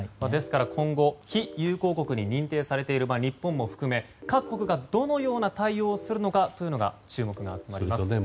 ですから、今後非友好国に認定されている場合日本も含め各国がどのような対応をするのかに注目が集まります。